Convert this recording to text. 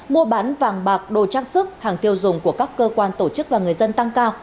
mua bán vàng bạc đồ trang sức hàng tiêu dùng của các cơ quan tổ chức và người dân tăng cao